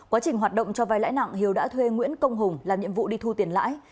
quá trình hoạt động cho vai lãi nặng hiếu đã thuê nguyễn công hùng làm nhiệm vụ đi thu tiền lãi